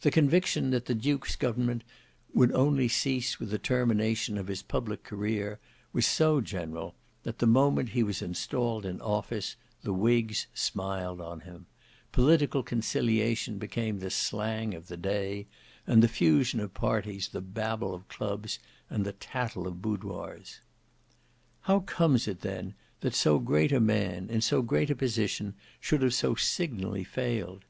The conviction that the duke's government would only cease with the termination of his public career was so general, that the moment he was installed in office, the whigs smiled on him; political conciliation became the slang of the day, and the fusion of parties the babble of clubs and the tattle of boudoirs. How comes it then that so great a man, in so great a position, should have so signally failed?